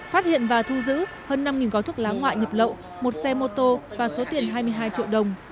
phát hiện và thu giữ hơn năm gói thuốc lá ngoại nhập lậu một xe mô tô và số tiền hai mươi hai triệu đồng